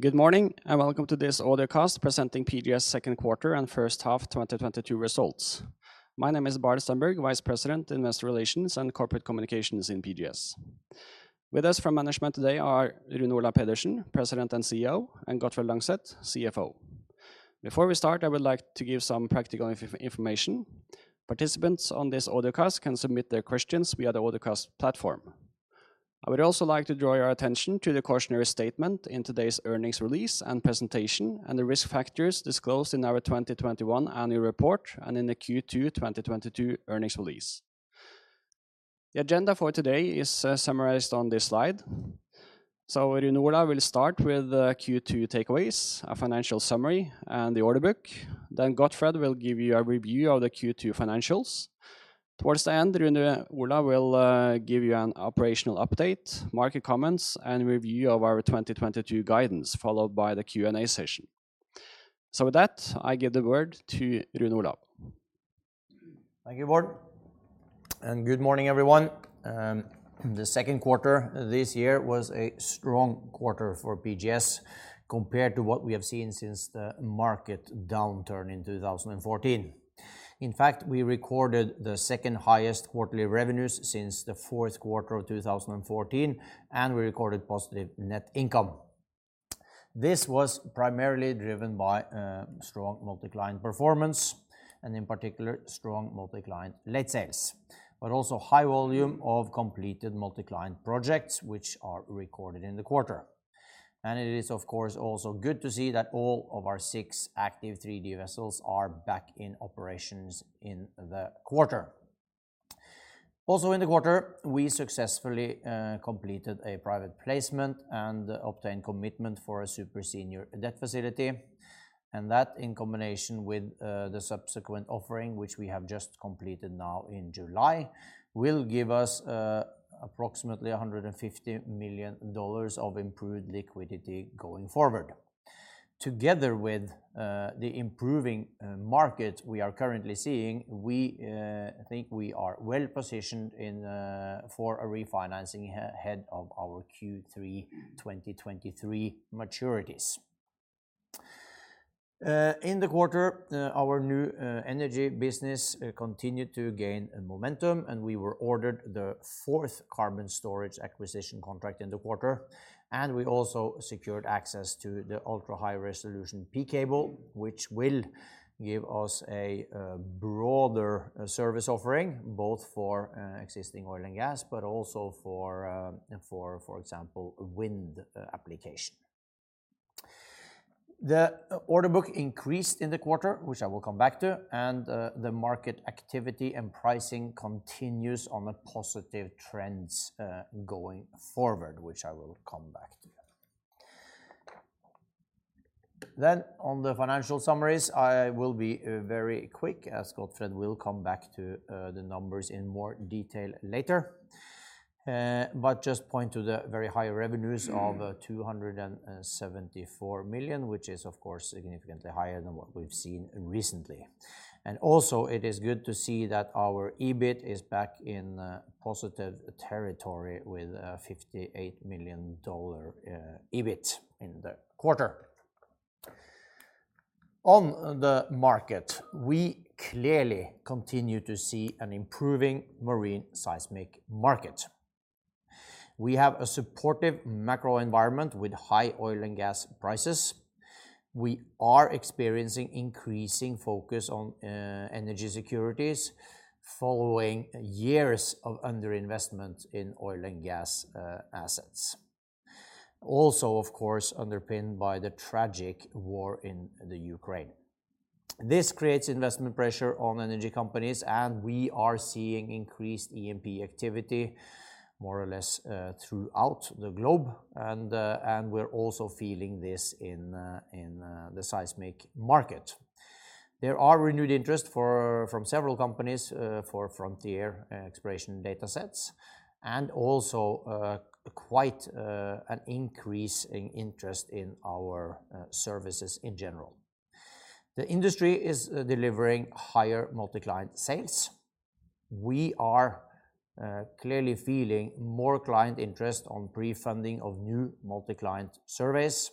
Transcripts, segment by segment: Good morning, and welcome to this audio cast presenting PGS second quarter and first half 2022 results. My name is Bård Stenberg, Vice President, Investor Relations and Corporate Communications in PGS. With us from management today are Rune Olav Pedersen, President and CEO, and Gottfred Langseth, CFO. Before we start, I would like to give some practical information. Participants on this audio cast can submit their questions via the audio cast platform. I would also like to draw your attention to the cautionary statement in today's earnings release and presentation, and the risk factors disclosed in our 2021 annual report and in the Q2 2022 earnings release. The agenda for today is summarized on this slide. Rune Olav Pedersen will start with the Q2 takeaways, a financial summary and the order book. Then Gottfred Langseth will give you a review of the Q2 financials. Towards the end, Rune Olav Pedersen will give you an operational update, market comments, and review of our 2022 guidance, followed by the Q&A session. With that, I give the word to Rune Olav Pedersen. Thank you, Bård, and good morning, everyone. The second quarter this year was a strong quarter for PGS compared to what we have seen since the market downturn in 2014. In fact, we recorded the second highest quarterly revenues since the fourth quarter of 2014, and we recorded positive net income. This was primarily driven by strong multi-client performance and in particular strong multi-client late sales. Also high volume of completed multi-client projects which are recorded in the quarter. It is of course also good to see that all of our six active 3D vessels are back in operations in the quarter. Also in the quarter, we successfully completed a private placement and obtained commitment for a super senior debt facility. That in combination with the subsequent offering which we have just completed now in July will give us approximately $150 million of improved liquidity going forward. Together with the improving market we are currently seeing, we think we are well-positioned for a refinancing ahead of our Q3 2023 maturities. In the quarter, our New Energy business continued to gain momentum, and we were awarded the fourth carbon storage acquisition contract in the quarter. We also secured access to the ultra-high-resolution P-Cable, which will give us a broader service offering, both for existing oil and gas, but also for example, wind application. The order book increased in the quarter, which I will come back to, and the market activity and pricing continues on the positive trends going forward, which I will come back to that. On the financial summaries, I will be very quick, as Gottfred will come back to the numbers in more detail later. But just point to the very high revenues of $274 million, which is of course significantly higher than what we've seen recently. Also it is good to see that our EBIT is back in positive territory with a $58 million EBIT in the quarter. On the market, we clearly continue to see an improving marine seismic market. We have a supportive macro environment with high oil and gas prices. We are experiencing increasing focus on energy securities following years of underinvestment in oil and gas assets. Also of course underpinned by the tragic war in the Ukraine. This creates investment pressure on energy companies and we are seeing increased E&P activity more or less throughout the globe, and we're also feeling this in the seismic market. There are renewed interest from several companies for frontier exploration data sets and also quite an increase in interest in our services in general. The industry is delivering higher multi-client sales. We are clearly feeling more client interest on pre-funding of new multi-client surveys.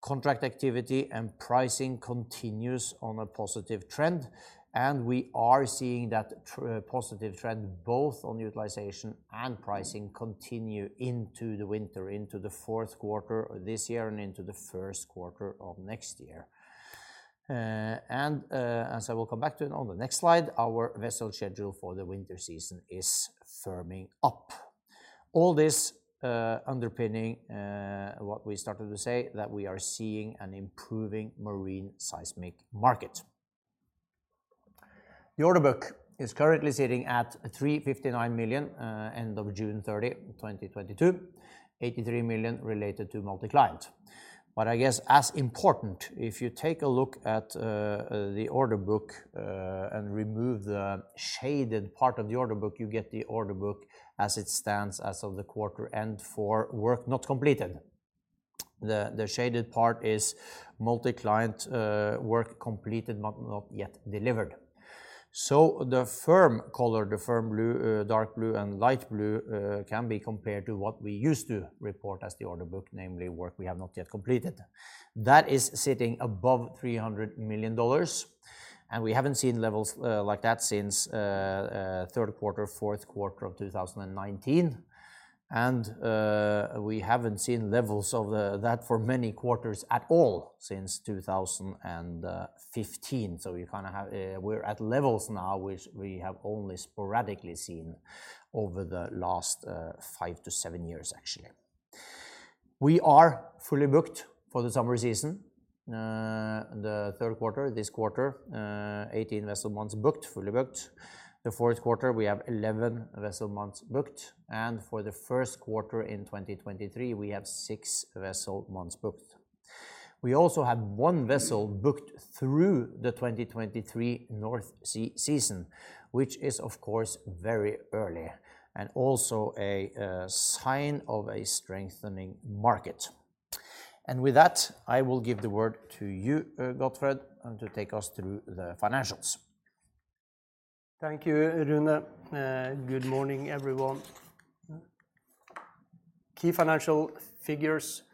Contract activity and pricing continues on a positive trend, and we are seeing that positive trend both on utilization and pricing continue into the winter, into the fourth quarter this year and into the first quarter of next year. As I will come back to on the next slide, our vessel schedule for the winter season is firming up. All this underpinning what we started to say that we are seeing an improving marine seismic market. The order book is currently sitting at $359 million end of June 30, 2022, $83 million related to multi-client. I guess as important, if you take a look at the order book and remove the shaded part of the order book, you get the order book as it stands as of the quarter end for work not completed. The shaded part is multi-client work completed, not yet delivered. The firm color, the firm blue, dark blue and light blue, can be compared to what we used to report as the order book, namely work we have not yet completed. That is sitting above $300 million, and we haven't seen levels like that since third quarter, fourth quarter of 2019. We haven't seen levels of that for many quarters at all since 2015. We kinda have we're at levels now which we have only sporadically seen over the last five years-seven years, actually. We are fully booked for the summer season. The third quarter, this quarter, 18 vessel months booked, fully booked. The fourth quarter, we have 11 vessel months booked. For the first quarter in 2023, we have six vessel months booked. We also have one vessel booked through the 2023 North Sea season, which is of course very early and also a sign of a strengthening market. With that, I will give the word to you, Gottfred, and to take us through the financials. Thank you, Rune. Good morning, everyone. Key financial figures,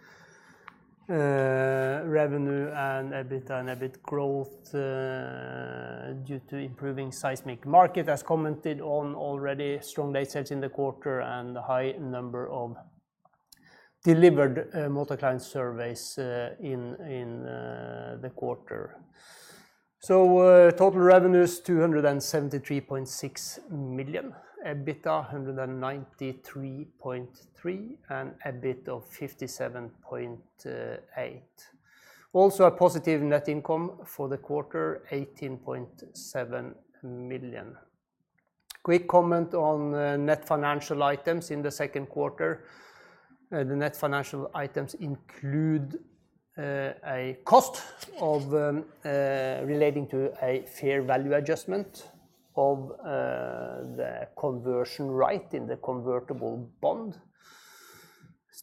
revenue and EBITDA and EBIT growth, due to improving seismic market. As commented on already, strong late sales in the quarter and a high number of delivered multi-client surveys in the quarter. Total revenue is $273.6 million. EBITDA, $193.3 million, and EBIT of $57.8 million. Also a positive net income for the quarter, $18.7 million. Quick comment on net financial items in the second quarter. The net financial items include a cost relating to a fair value adjustment of the conversion right in the convertible bond.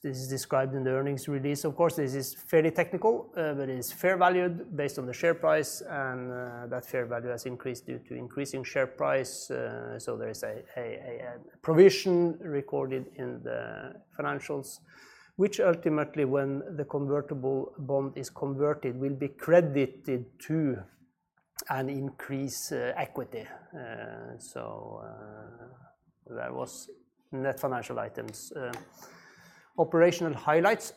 This is described in the earnings release. Of course, this is fairly technical, but it is fair valued based on the share price, and that fair value has increased due to increasing share price. There is a provision recorded in the financials, which ultimately, when the convertible bond is converted, will be credited to an increased equity. That was net financial items. Operational highlights.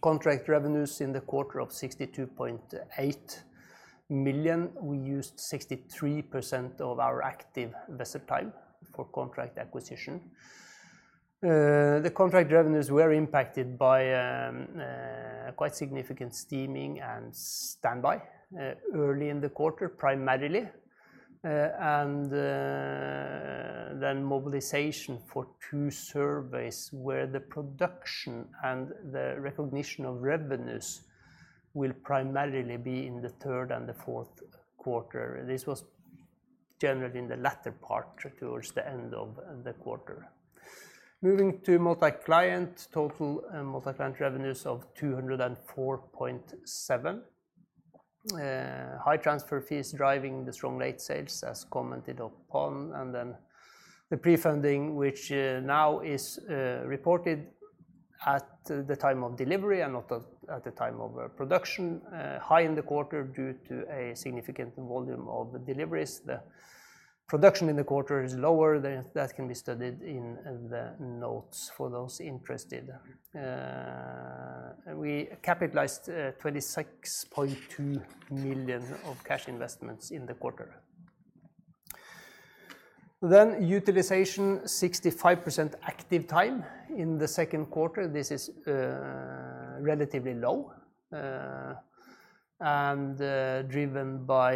Contract revenues in the quarter of $62.8 million. We used 63% of our active vessel time for contract acquisition. The contract revenues were impacted by quite significant steaming and standby early in the quarter, primarily. Mobilization for two surveys, where the production and the recognition of revenues will primarily be in the third quarter and the fourth quarter. This was generally in the latter part towards the end of the quarter. Moving to multi-client, total multi-client revenues of $204.7 million. High transfer fees driving the strong late sales as commented upon. The pre-funding, which now is reported at the time of delivery and not at the time of production. High in the quarter due to a significant volume of deliveries. The production in the quarter is lower. That can be studied in the notes for those interested. We capitalized $26.2 million of cash investments in the quarter. Utilization, 65% active time in the second quarter. This is relatively low and driven by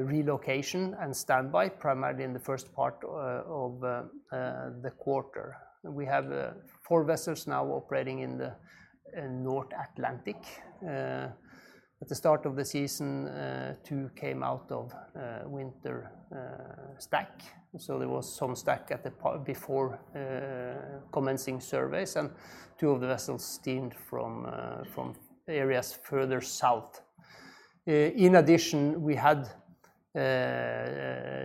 relocation and standby, primarily in the first part of the quarter. We have four vessels now operating in the North Atlantic. At the start of the season, two came out of winter stack. There was some stack at the part before commencing surveys, and two of the vessels steamed from areas further south. In addition, we had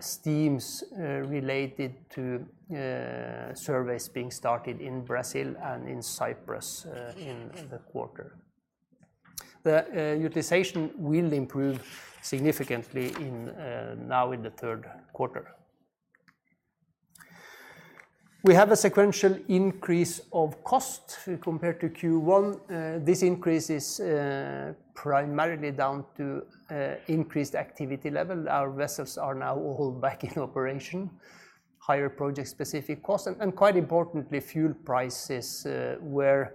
steams related to surveys being started in Brazil and in Cyprus in the quarter. The utilization will improve significantly now in the third quarter. We have a sequential increase of cost compared to Q1. This increase is primarily down to increased activity level. Our vessels are now all back in operation. Higher project specific costs and quite importantly, fuel prices, where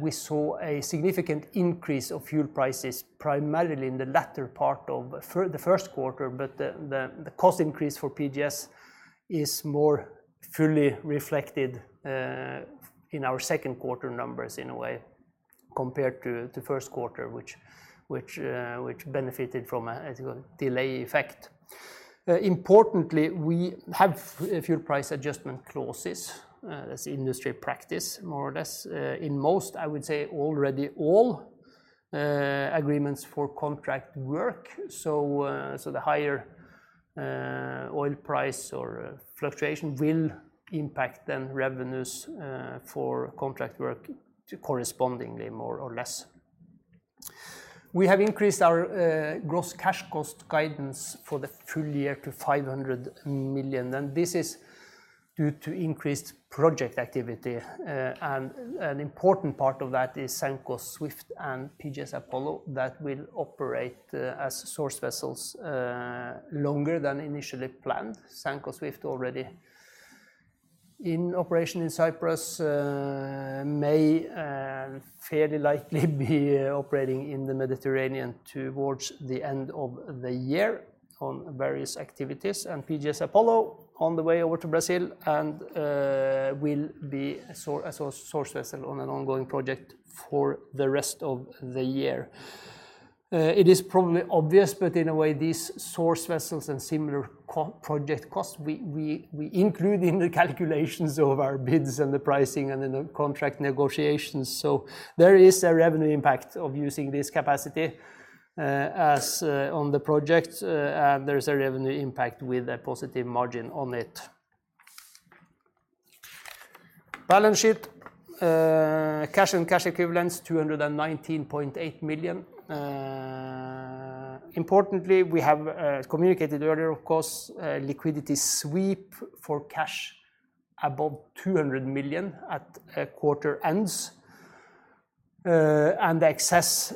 we saw a significant increase of fuel prices primarily in the latter part of the first quarter. The cost increase for PGS is more fully reflected in our second quarter numbers in a way. Compared to the first quarter which benefited from a delay effect. Importantly, we have fuel price adjustment clauses as industry practice more or less in most, I would say already all agreements for contract work. The higher oil price or fluctuation will impact the revenues for contract work to correspondingly more or less. We have increased our gross cash cost guidance for the full year to $500 million, and this is due to increased project activity. An important part of that is Sanco Swift and PGS Apollo that will operate as source vessels longer than initially planned. Sanco Swift already in operation in Cyprus, may fairly likely be operating in the Mediterranean towards the end of the year on various activities, and PGS Apollo on the way over to Brazil and will be a source vessel on an ongoing project for the rest of the year. It is probably obvious, but in a way, these source vessels and similar co-project costs, we include in the calculations of our bids and the pricing and the contract negotiations. There is a revenue impact of using this capacity on the project, and there is a revenue impact with a positive margin on it. Balance sheet cash and cash equivalents $219.8 million. Importantly, we have communicated earlier, of course, liquidity sweep for cash above $200 million at quarter-ends. The excess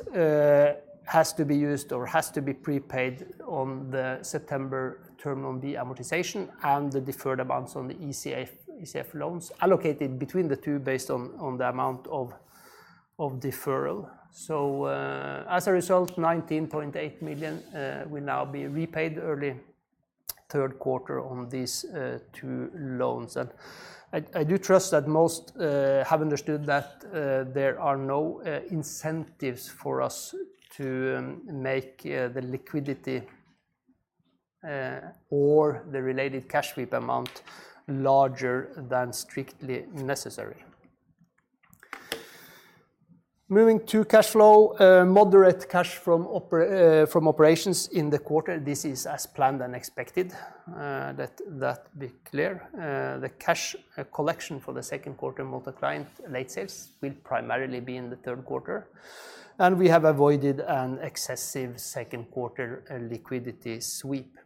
has to be used or has to be prepaid on the September term on the amortization and the deferred amounts on the ECF loans allocated between the two based on the amount of deferral. As a result, $19.8 million will now be repaid early third quarter on these two loans. I do trust that most have understood that there are no incentives for us to make the liquidity or the related cash sweep amount larger than strictly necessary. Moving to cash flow, moderate cash from operations in the quarter. This is as planned and expected, that be clear. The cash collection for the second quarter multi-client late sales will primarily be in the third quarter, and we have avoided an excessive second quarter liquidity sweep.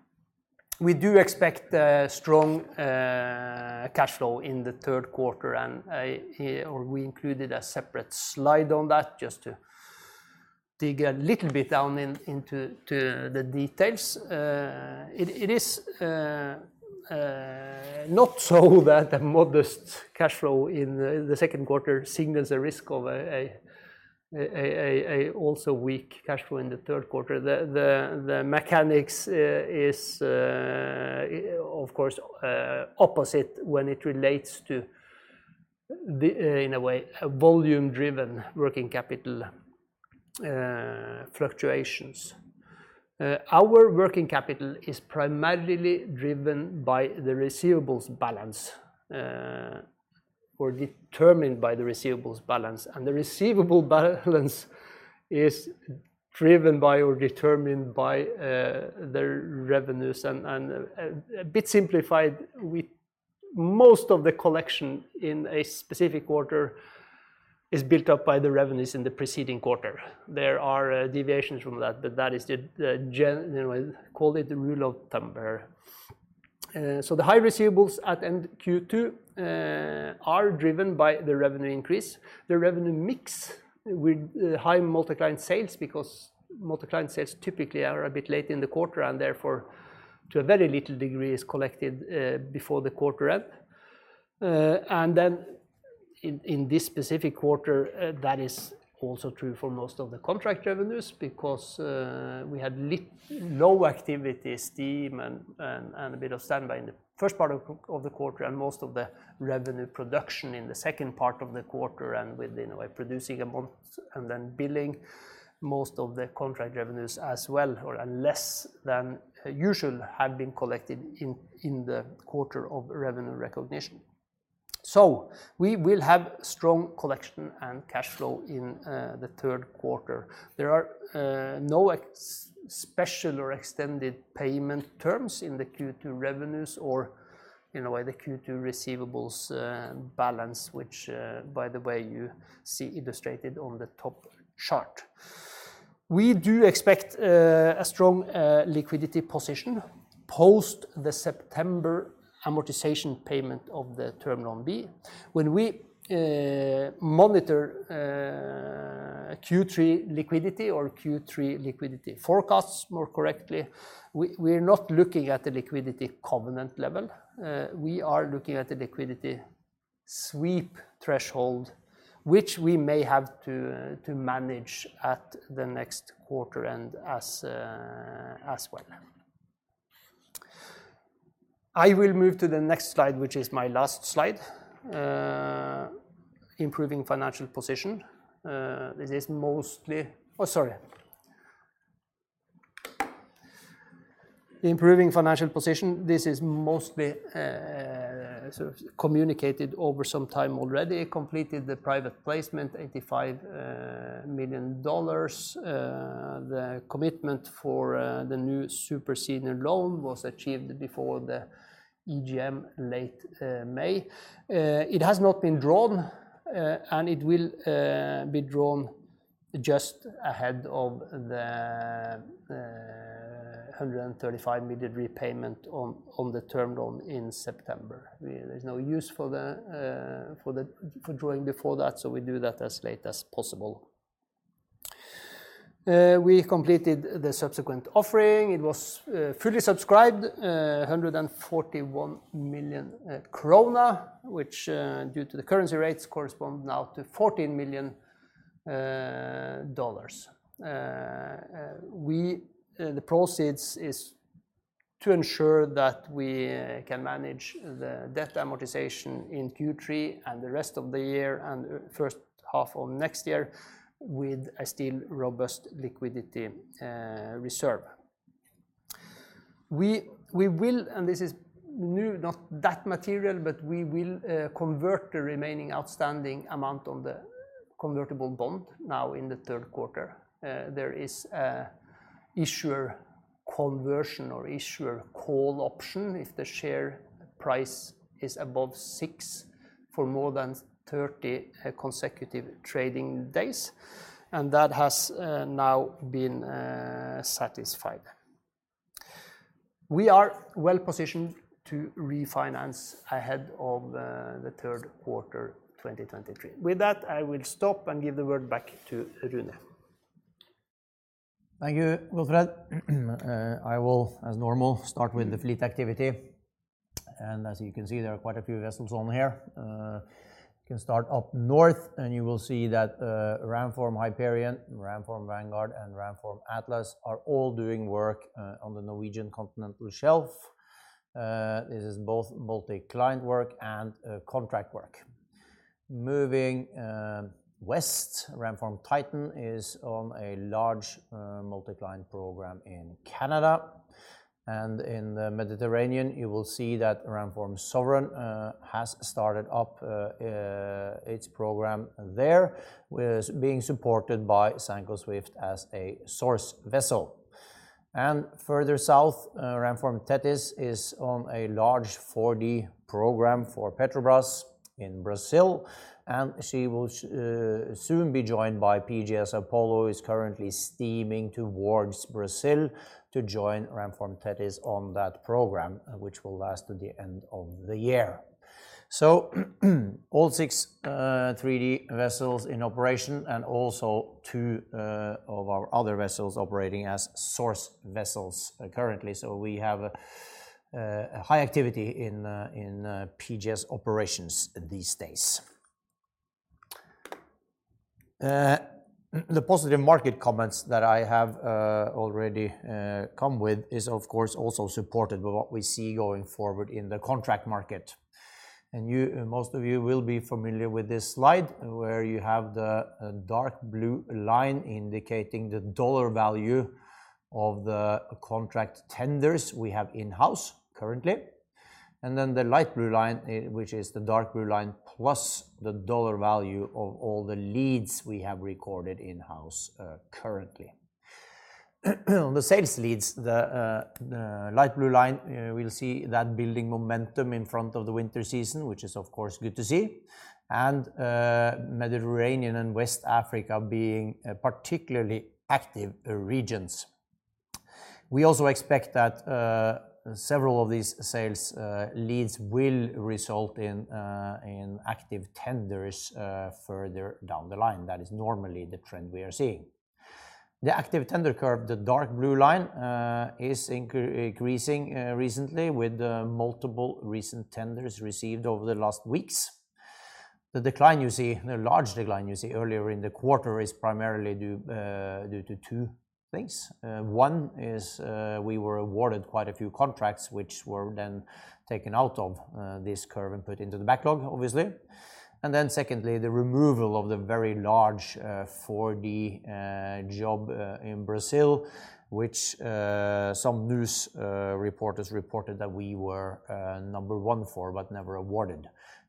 We do expect strong cash flow in the third quarter, and we included a separate slide on that just to dig a little bit down into the details. It is not so that the modest cash flow in the second quarter signals a risk of a also weak cash flow in the third quarter. The mechanics is of course opposite when it relates to in a way, volume-driven working capital fluctuations. Our working capital is primarily driven by the receivables balance or determined by the receivables balance. The receivable balance is driven by or determined by the revenues and a bit simplified with most of the collection in a specific quarter is built up by the revenues in the preceding quarter. There are deviations from that, but that is call it the rule of thumb here. The high receivables at end Q2 are driven by the revenue increase. The revenue mix with high multi-client sales because multi-client sales typically are a bit late in the quarter, and therefore to a very little degree is collected before the quarter end. In this specific quarter, that is also true for most of the contract revenues because we had low activity streamer and a bit of standby in the first part of the quarter and most of the revenue production in the second part of the quarter and with, in a way, producing a month and then billing most of the contract revenues as well or, and less than usual had been collected in the quarter of revenue recognition. We will have strong collection and cash flow in the third quarter. There are no special or extended payment terms in the Q2 revenues or in a way, the Q2 receivables balance, which, by the way, you see illustrated on the top chart. We do expect a strong liquidity position post the September amortization payment of the Term Loan B. When we monitor Q3 liquidity forecasts more correctly, we're not looking at the liquidity covenant level. We are looking at the liquidity sweep threshold, which we may have to manage at the next quarter end as well. I will move to the next slide, which is my last slide, improving financial position. Improving financial position, this is mostly sort of communicated over some time already, completed the private placement, $85 million. The commitment for the new super senior loan was achieved before the EGM late May. It has not been drawn, and it will be drawn just ahead of the $135 million repayment on the term loan in September. There's no use for the drawing before that, so we do that as late as possible. We completed the subsequent offering. It was fully subscribed, 141 million krone, which due to the currency rates correspond now to $14 million. The proceeds is to ensure that we can manage the debt amortization in Q3 and the rest of the year and first half of next year with a still robust liquidity reserve. We will, and this is new, not that material, but we will convert the remaining outstanding amount on the convertible bond now in the third quarter. There is an issuer conversion or issuer call option if the share price is above six for more than 30 consecutive trading days, and that has now been satisfied. We are well-positioned to refinance ahead of the third quarter 2023. With that, I will stop and give the word back to Rune. Thank you, Gottfred. I will, as normal, start with the fleet activity. As you can see, there are quite a few vessels on here. You can start up north and you will see that Ramform Hyperion, Ramform Vanguard, and Ramform Atlas are all doing work on the Norwegian Continental Shelf. This is both multi-client work and contract work. Moving west, Ramform Titan is on a large multi-client program in Canada. In the Mediterranean, you will see that Ramform Sovereign has started up its program there. While it's being supported by Sanco Swift as a source vessel. Further south, Ramform Tethys is on a large 4D program for Petrobras in Brazil, and she will soon be joined by PGS Apollo, is currently steaming towards Brazil to join Ramform Tethys on that program, which will last to the end of the year. All six 3D vessels in operation and also two of our other vessels operating as source vessels currently. We have a high activity in PGS operations these days. The positive market comments that I have already come with is of course also supported with what we see going forward in the contract market. Most of you will be familiar with this slide, where you have the dark blue line indicating the dollar value of the contract tenders we have in-house currently. The light blue line, which is the dark blue line, plus the dollar value of all the leads we have recorded in-house, currently. The sales leads, the light blue line, we'll see that building momentum in front of the winter season, which is of course good to see. Mediterranean and West Africa being particularly active regions. We also expect that several of these sales leads will result in in active tenders further down the line. That is normally the trend we are seeing. The active tender curve, the dark blue line, is increasing recently with the multiple recent tenders received over the last weeks. The decline you see, the large decline you see earlier in the quarter is primarily due to two things. One is we were awarded quite a few contracts which were then taken out of this curve and put into the backlog, obviously. Secondly, the removal of the very large 4D job in Brazil, which some news reporters reported that we were number one for, but never awarded.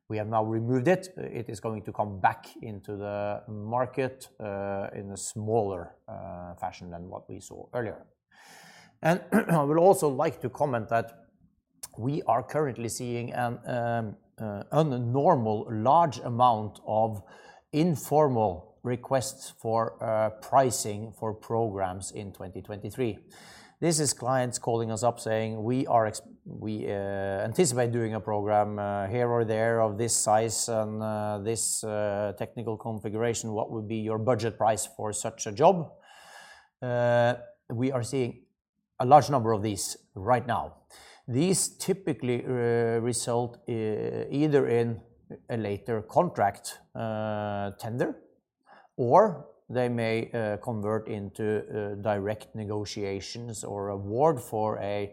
We have now removed it. It is going to come back into the market in a smaller fashion than what we saw earlier. I would also like to comment that we are currently seeing an abnormal large amount of informal requests for pricing for programs in 2023. This is clients calling us up saying, "We anticipate doing a program here or there of this size and this technical configuration. What would be your budget price for such a job?" We are seeing a large number of these right now. These typically result either in a later contract tender. Or they may convert into direct negotiations or award for a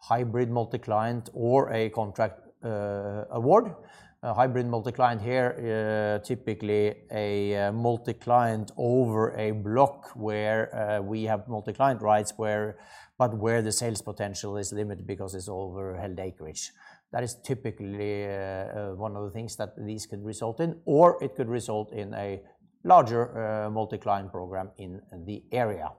hybrid multi-client or a contract award. A hybrid multi-client here typically a multi-client over a block where we have multi-client rights but where the sales potential is limited because it's over held acreage. That is typically one of the things that these could result in, or it could result in a larger multi-client program in the area.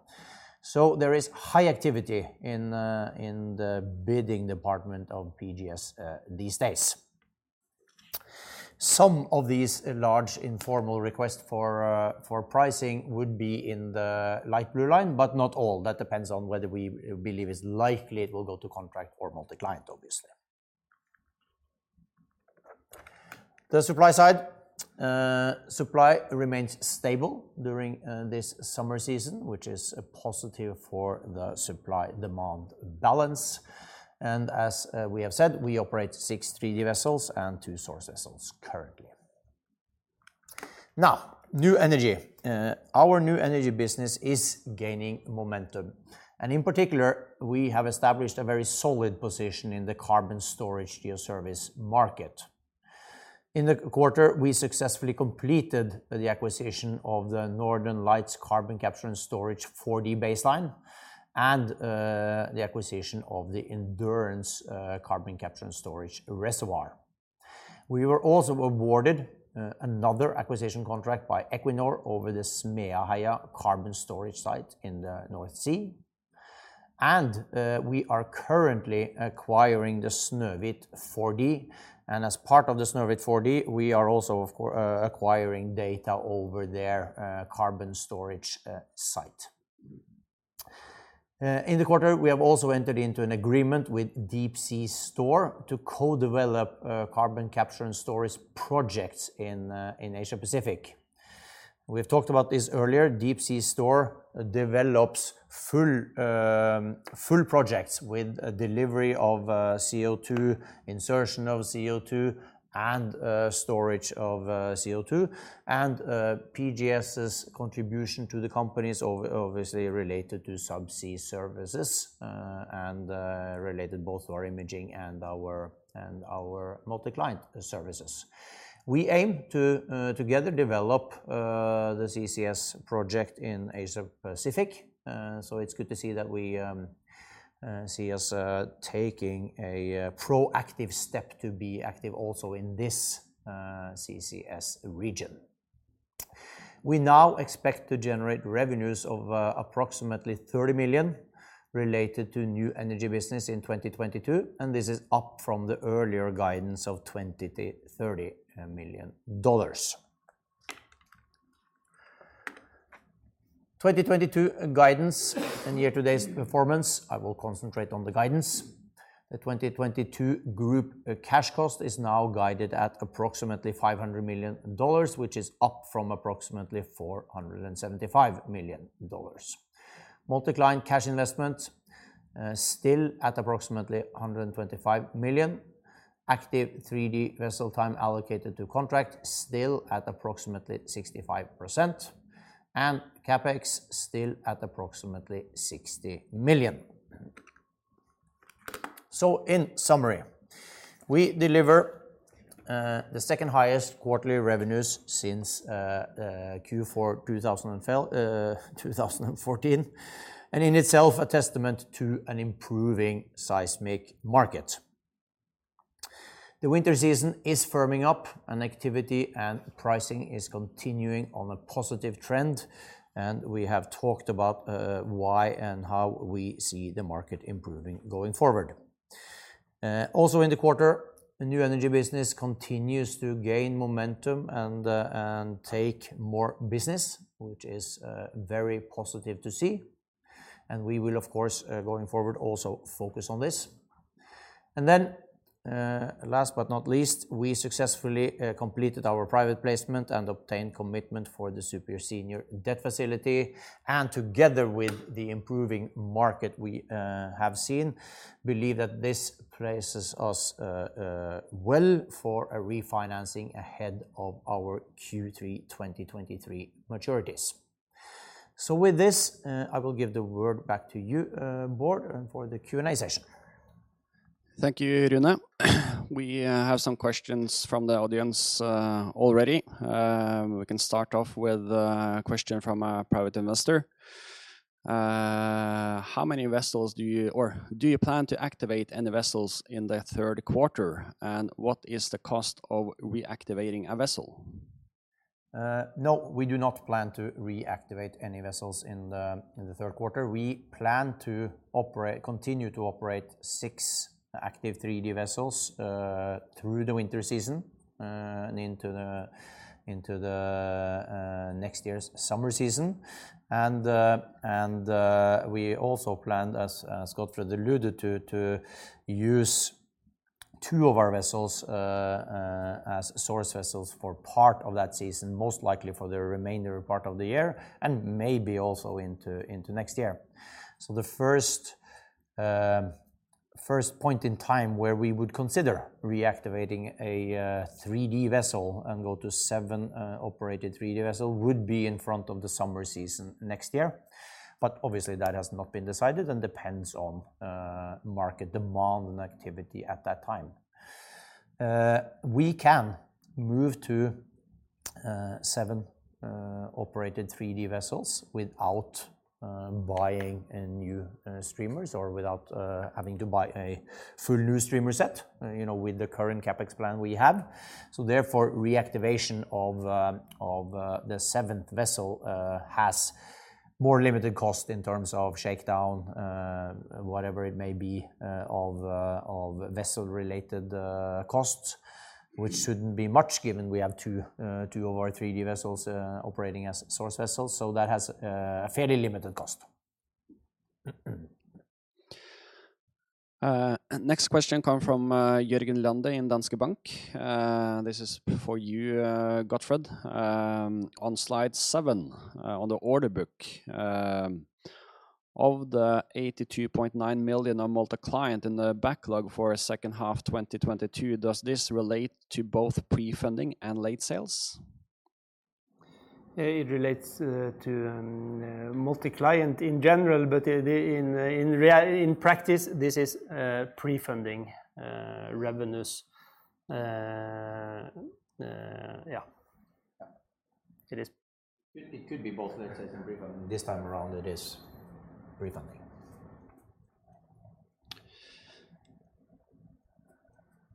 There is high activity in the bidding department of PGS these days. Some of these large informal requests for pricing would be in the light blue line, but not all. That depends on whether we believe it's likely it will go to contract or multi-client, obviously. The supply side. Supply remains stable during this summer season, which is a positive for the supply-demand balance. As we have said, we operate six 3D vessels and two source vessels currently. Now, New Energy. Our New Energy business is gaining momentum. In particular, we have established a very solid position in the carbon storage geoservice market. In the quarter, we successfully completed the acquisition of the Northern Lights carbon capture and storage 4D baseline and the acquisition of the Endurance carbon capture and storage reservoir. We were also awarded another acquisition contract by Equinor over the Smeaheia carbon storage site in the North Sea. We are currently acquiring the Snøhvit 4D. As part of the Snøhvit 4D, we are also, of course, acquiring data over their carbon storage site. In the quarter, we have also entered into an agreement with deepC Store to co-develop carbon capture and storage projects in Asia-Pacific. We've talked about this earlier. deepC Store develops full projects with delivery of CO2, insertion of CO2, and storage of CO2. PGS's contribution to the company is obviously related to subsea services, and related both to our imaging and our multi-client services. We aim to together develop the CCS project in Asia-Pacific. It's good to see that we see us taking a proactive step to be active also in this CCS region. We now expect to generate revenues of approximately $30 million related to New Energy business in 2022, and this is up from the earlier guidance of $20-$30 million. 2022 guidance and year-to-date performance, I will concentrate on the guidance. The 2022 group cash cost is now guided at approximately $500 million, which is up from approximately $475 million. Multi-client cash investment still at approximately $125 million. Active 3D vessel time allocated to contract still at approximately 65%. CapEx still at approximately $60 million. In summary, we deliver the second highest quarterly revenues since Q4 2014, and in itself a testament to an improving seismic market. The winter season is firming up, and activity and pricing is continuing on a positive trend. We have talked about why and how we see the market improving going forward. Also in the quarter, the New Energy business continues to gain momentum and take more business, which is very positive to see. We will of course going forward also focus on this. Last but not least, we successfully completed our private placement and obtained commitment for the super senior debt facility. Together with the improving market we have seen, believe that this places us well for a refinancing ahead of our Q3 2023 maturities. With this, I will give the word back to you, Bård, for the Q&A session. Thank you, Rune. We have some questions from the audience already. We can start off with a question from a private investor. Do you plan to activate any vessels in the third quarter? And what is the cost of reactivating a vessel? No, we do not plan to reactivate any vessels in the third quarter. We plan to operate, continue to operate six active 3D vessels through the winter season and into next year's summer season. We also plan, as Gottfred alluded to use two of our vessels as source vessels for part of that season, most likely for the remainder part of the year and maybe also into next year. The first point in time where we would consider reactivating a 3D vessel and go to seven operated 3D vessel would be in front of the summer season next year. Obviously that has not been decided and depends on market demand and activity at that time. We can move to seven operated 3D vessels without buying a new streamers or without having to buy a full new streamer set, you know, with the current CapEx plan we have. Therefore, reactivation of the seventh vessel has more limited cost in terms of shakedown, whatever it may be, of vessel-related costs, which shouldn't be much given we have two of our 3D vessels operating as source vessels, so that has a fairly limited cost. Next question come from Jørgen Lande in Danske Bank. This is for you, Gottfred. On slide seven, on the order book, of the $82.9 million of multi-client in the backlog for a second half 2022, does this relate to both pre-funding and late sales? It relates to multi-client in general, but in practice, this is pre-funding revenues. Yeah. It is. It could be both late sales and pre-funding. This time around it is pre-funding.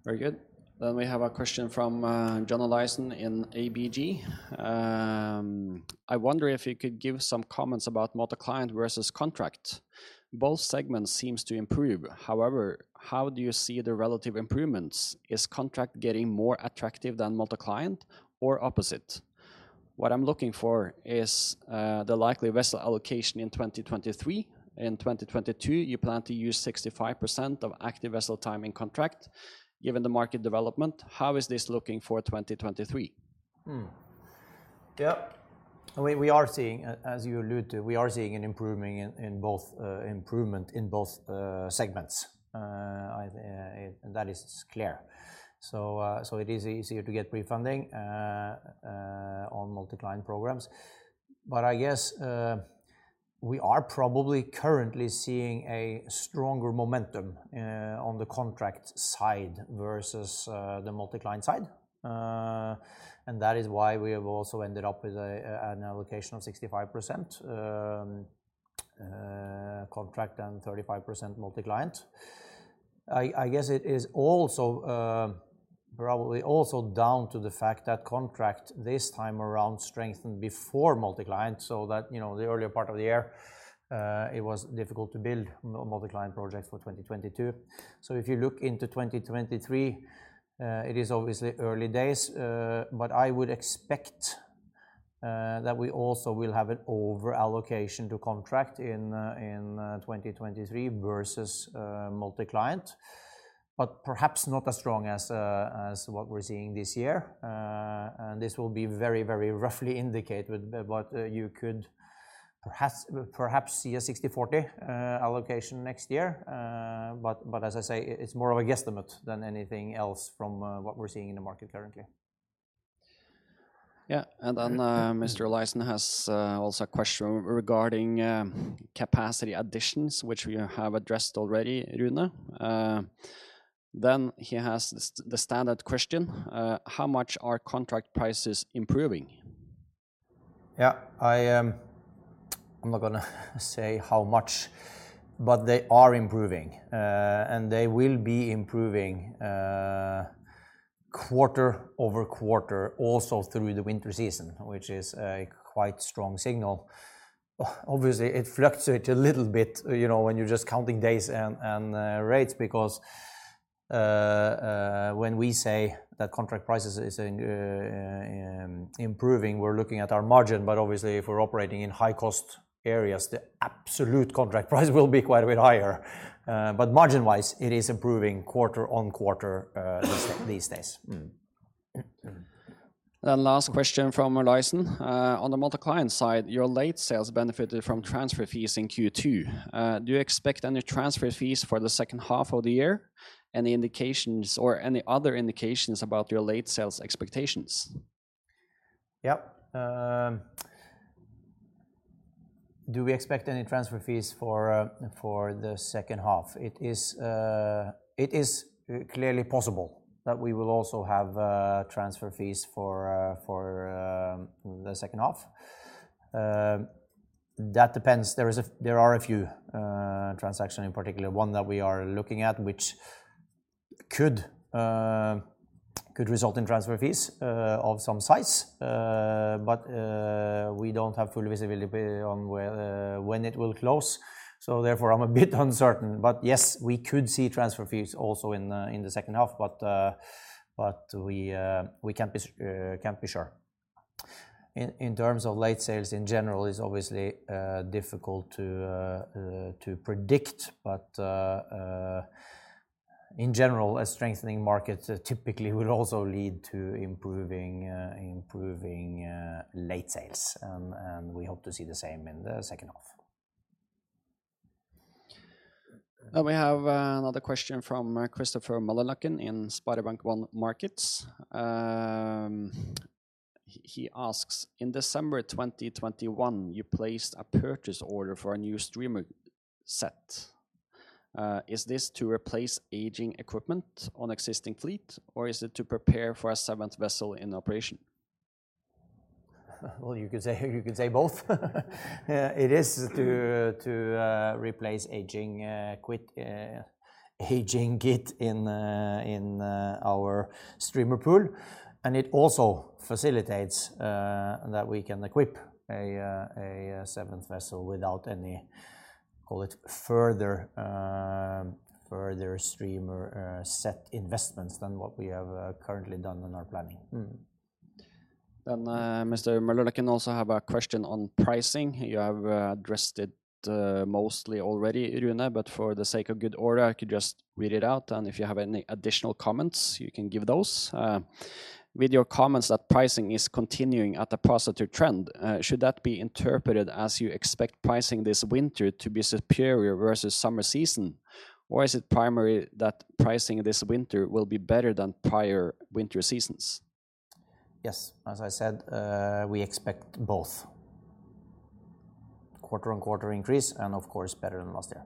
Very good. We have a question from John Olaisen in ABG. I wonder if you could give some comments about multi-client versus contract. Both segments seems to improve. However, how do you see the relative improvements? Is contract getting more attractive than multi-client or opposite? What I'm looking for is the likely vessel allocation in 2023. In 2022, you plan to use 65% of active vessel time in contract. Given the market development, how is this looking for 2023? We are seeing, as you allude to, an improvement in both segments. That is clear. It is easier to get pre-funding on multi-client programs. I guess we are probably currently seeing a stronger momentum on the contract side versus the multi-client side. That is why we have also ended up with an allocation of 65% contract and 35% multi-client. I guess it is also probably also down to the fact that contract this time around strengthened before multi-client, so that you know the earlier part of the year it was difficult to build multi-client projects for 2022. If you look into 2023, it is obviously early days, but I would expect that we also will have an over allocation to contract in 2023 versus multi-client. Perhaps not as strong as what we're seeing this year. This will be very, very roughly indicated, but you could perhaps see a 60/40 allocation next year. As I say, it's more of a guesstimate than anything else from what we're seeing in the market currently. Yeah. Mr. Olaisen has also a question regarding capacity additions, which we have addressed already, Rune. He has the standard question, how much are contract prices improving? Yeah. I'm not gonna say how much, but they are improving, and they will be improving quarter-over-quarter also through the winter season, which is a quite strong signal. Obviously, it fluctuates a little bit, you know, when you're just counting days and rates because when we say that contract prices is improving, we're looking at our margin. Obviously, if we're operating in high-cost areas, the absolute contract price will be quite a bit higher. Margin-wise, it is improving quarter-over-quarter these days. Last question from Olaisen. On the multi-client side, your late sales benefited from transfer fees in Q2. Do you expect any transfer fees for the second half of the year? Any indications or any other indications about your late sales expectations? Yeah. Do we expect any transfer fees for the second half? It is clearly possible that we will also have transfer fees for the second half. That depends. There are a few transactions, in particular one that we are looking at, which could result in transfer fees of some size. But we don't have full visibility on when it will close. Therefore, I'm a bit uncertain. Yes, we could see transfer fees also in the second half. But we can't be sure. In terms of late sales in general, it's obviously difficult to predict. In general, a strengthening market typically will also lead to improving late sales. We hope to see the same in the second half. Now we have another question from Christopher Møllerløkken in SpareBank 1 Markets. He asks, "In December 2021, you placed a purchase order for a new streamer set. Is this to replace aging equipment on existing fleet, or is it to prepare for a seventh vessel in operation? Well, you could say both. It is to replace aging kit in our streamer pool, and it also facilitates that we can equip a seventh vessel without any, call it, further streamer set investments than what we have currently done in our planning. Mr. Møllerløkken also have a question on pricing. You have addressed it mostly already, Rune, but for the sake of good order, I could just read it out, and if you have any additional comments, you can give those. With your comments that pricing is continuing at a positive trend, should that be interpreted as you expect pricing this winter to be superior versus summer season? Or is it primary that pricing this winter will be better than prior winter seasons? Yes. As I said, we expect both quarter-on-quarter increase and of course better than last year.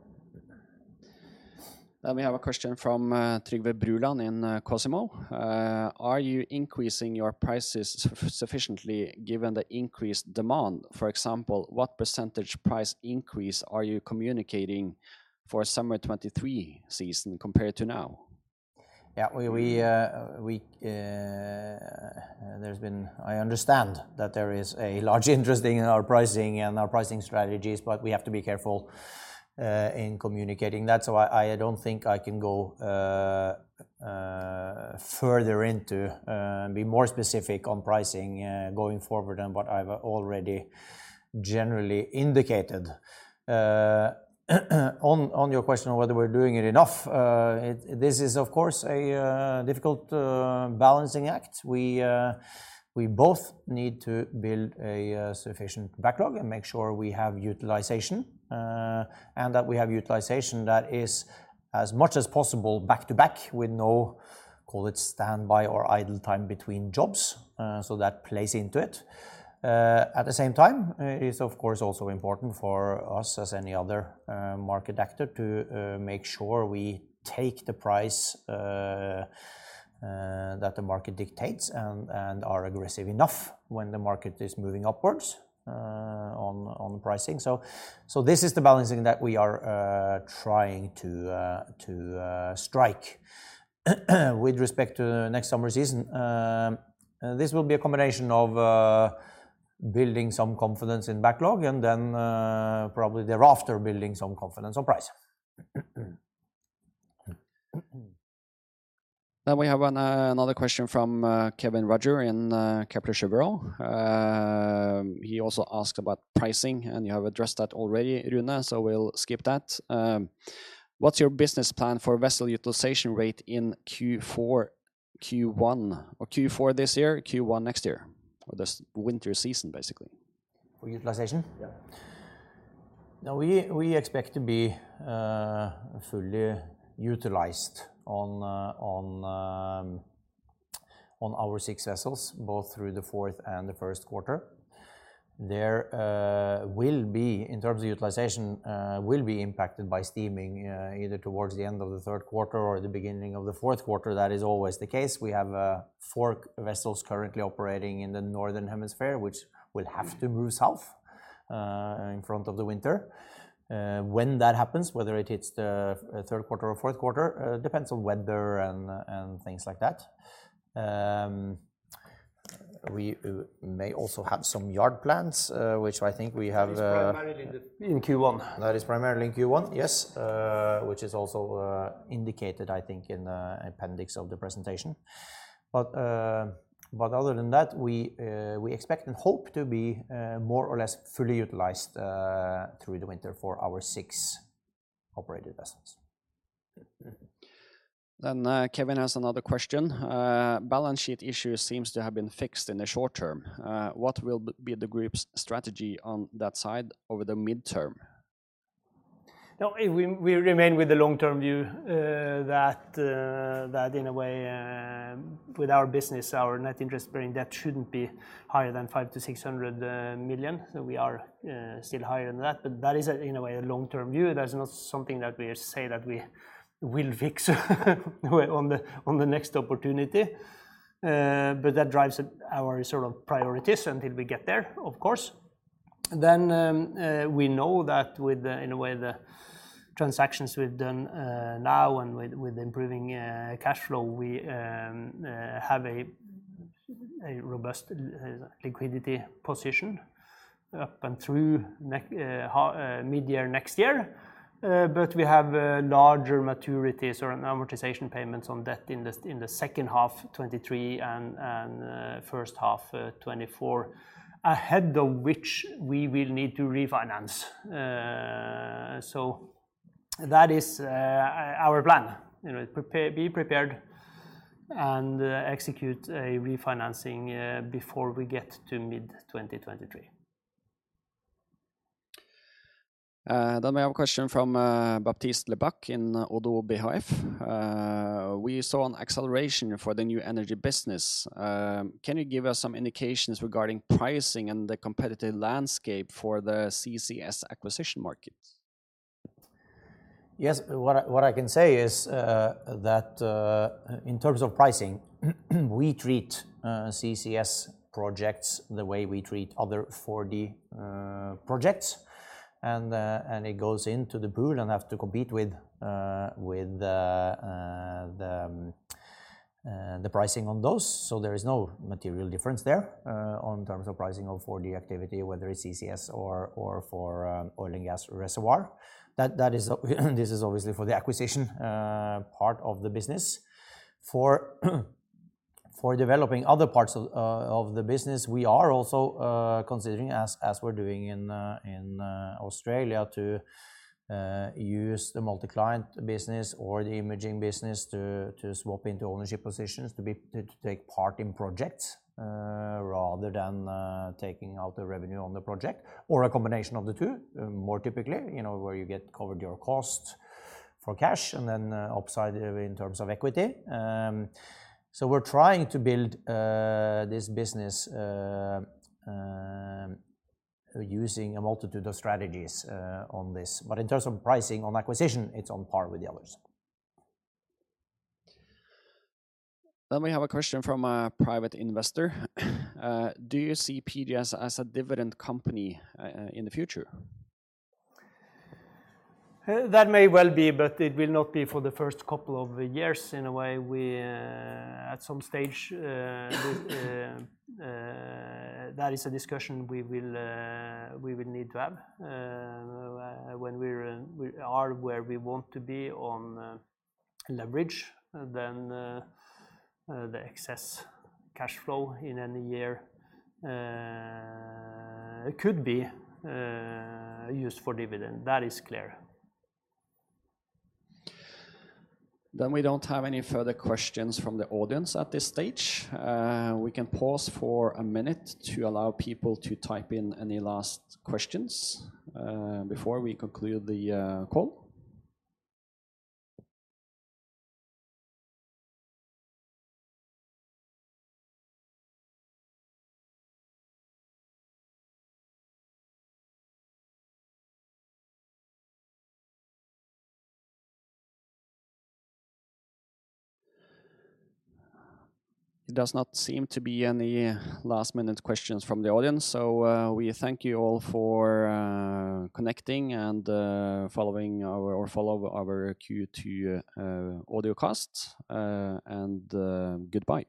We have a question from Trygve Bruland in Cosimo. Are you increasing your prices sufficiently given the increased demand? For example, what percentage price increase are you communicating for summer 2023 season compared to now? I understand that there is a large interest in our pricing and our pricing strategies, but we have to be careful in communicating that. I don't think I can be more specific on pricing going forward than what I've already generally indicated. On your question on whether we're doing it enough, this is of course a difficult balancing act. We both need to build a sufficient backlog and make sure we have utilization, and that we have utilization that is as much as possible back-to-back with no, call it, standby or idle time between jobs, so that plays into it. At the same time, it is of course also important for us, as any other market actor to make sure we take the price that the market dictates and are aggressive enough when the market is moving upwards on pricing. This is the balancing that we are trying to strike. With respect to next summer season, this will be a combination of building some confidence in backlog and then probably thereafter building some confidence on pricing. We have another question from Kevin Roger in Kepler Cheuvreux. He also asked about pricing, and you have addressed that already, Rune, so we'll skip that. What's your business plan for vessel utilization rate in Q4, Q1 or Q4 this year, Q1 next year? Or this winter season, basically. For utilization? Yeah. We expect to be fully utilized on our vessels both through the fourth and the first quarter. There will be, in terms of utilization, impacted by steaming either towards the end of the third quarter or the beginning of the fourth quarter. That is always the case. We have four vessels currently operating in the northern hemisphere, which will have to move south ahead of the winter. When that happens, whether it hits the third quarter or fourth quarter, depends on weather and things like that. We may also have some yard plans, which I think we have. Which is primarily in Q1. That is primarily in Q1, yes. Which is also indicated, I think, in the appendix of the presentation. Other than that, we expect and hope to be more or less fully utilized through the winter for our six operated vessels. Kevin has another question. Balance sheet issues seems to have been fixed in the short term. What will be the group's strategy on that side over the midterm? No, we remain with the long-term view that in a way, with our business, our net interest-bearing debt shouldn't be higher than $500 million-$600 million. We are still higher than that, but that is, in a way, a long-term view. That's not something that we say that we will fix on the next opportunity. That drives our sort of priorities until we get there, of course. We know that with the, in a way, the transactions we've done now and with improving cash flow, we have a robust liquidity position up and through near mid-year next year. We have larger maturities or amortization payments on debt in the second half 2023 and first half 2024, ahead of which we will need to refinance. That is our plan. You know, be prepared and execute a refinancing before we get to mid-2023. We have a question from Baptiste Lebacq in Oddo BHF. We saw an acceleration for the New Energy business. Can you give us some indications regarding pricing and the competitive landscape for the CCS acquisition market? Yes. What I can say is that in terms of pricing, we treat CCS projects the way we treat other 4D projects. It goes into the pool and have to compete with the pricing on those. There is no material difference there on terms of pricing of 4D activity, whether it's CCS or for oil and gas reservoir. That is. This is obviously for the acquisition part of the business. For developing other parts of the business, we are also considering, as we're doing in Australia to use the multi-client business or the imaging business to swap into ownership positions to be. To take part in projects, rather than taking out the revenue on the project, or a combination of the two, more typically, you know, where you get covered your cost for cash and then upside in terms of equity. We're trying to build this business using a multitude of strategies on this. In terms of pricing on acquisition, it's on par with the others. We have a question from a private investor. Do you see PGS as a dividend company in the future? That may well be, but it will not be for the first couple of years. In a way, we're at some stage that is a discussion we will need to have when we're in a year where we want to be on leverage. Then the excess cash flow in any year could be used for dividend. That is clear. We don't have any further questions from the audience at this stage. We can pause for a minute to allow people to type in any last questions before we conclude the call. There does not seem to be any last-minute questions from the audience. We thank you all for connecting and following our Q2 audiocast. Goodbye.